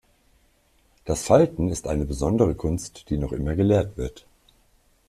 Das Falten ist eine besondere Kunst die noch immer gelehrt wird.